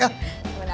sama abah aja deh